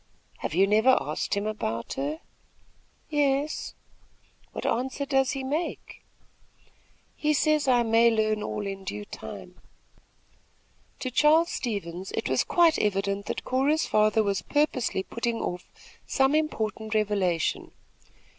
"Have you never asked him about her?" "Yes." "What answer does he make?" "He says I may learn all in due time." To Charles Stevens, it was quite evident that Cora's father was purposely putting off some important revelation.